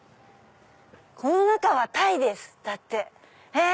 「この中はタイです」だってへぇ！